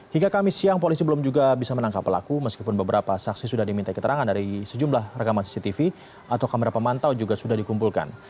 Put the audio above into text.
hingga kamis siang polisi belum juga bisa menangkap pelaku meskipun beberapa saksi sudah diminta keterangan dari sejumlah rekaman cctv atau kamera pemantau juga sudah dikumpulkan